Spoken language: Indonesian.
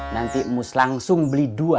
nanti mus langsung beli dua